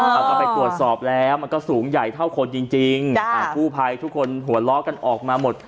อ่าเอากันไปตรวจสอบแล้วมันก็สูงใหญ่เท่าคนจริงจริงอ่าคู่ภัยทุกคนหัวลอกกันออกมาหมด